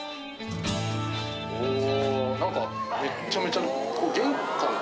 お何かめっちゃめちゃ。